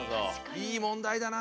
いい問題だな。